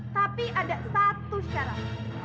tapi ada satu syarat